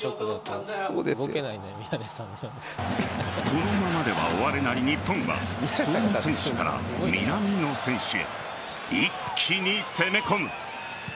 このままでは終われない日本は相馬選手から南野選手へ一気に攻め込む。